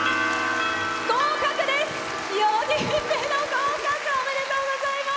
合格です！